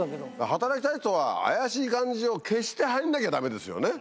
働きたい人は怪しい感じを消して入んなきゃダメですよね。